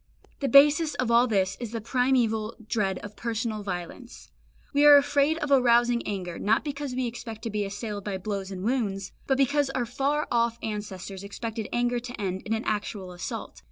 The basis of all this is the primeval dread of personal violence. We are afraid of arousing anger, not because we expect to be assailed by blows and wounds, but because our far off ancestors expected anger to end in an actual assault.